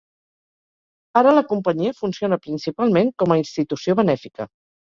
Ara la companyia funciona principalment com a institució benèfica.